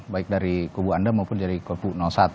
baik dari kubu anda maupun dari kubu satu